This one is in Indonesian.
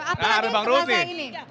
apa lagi yang terasa ini